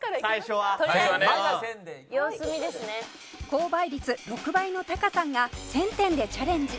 高倍率６倍のタカさんが１０００点でチャレンジ